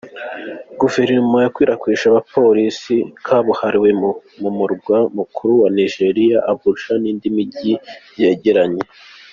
Guverinoma yakwirakwije abapolisi kabuhariwe mu murwa mukuru wa Nigeria, Abuja n’indi Mijyi byegeranye.